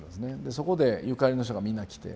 そこでゆかりの人がみんな来て。